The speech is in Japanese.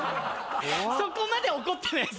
そこまで怒ってないです。